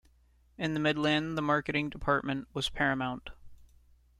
In the Midland, the marketing department was paramount.